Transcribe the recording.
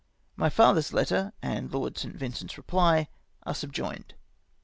My father's letter and Lord St. Vincent's reply are subjoined.